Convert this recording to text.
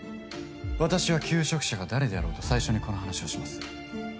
私は求職者が誰であろうと最初にこの話をします。